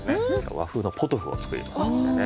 和風のポトフを作りますんでね。